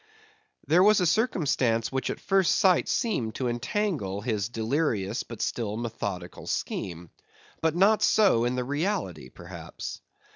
There was a circumstance which at first sight seemed to entangle his delirious but still methodical scheme. But not so in the reality, perhaps.